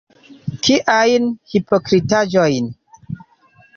Kiajn hipokritaĵojn?